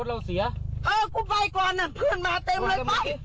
เออกูไปก่อนนะเพื่อนมาเต็มเลยไป